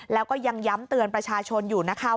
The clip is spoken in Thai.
แล้วก็ยังย้ำเตือนประชาชนอยู่นะคะ